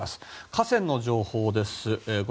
河川の情報です。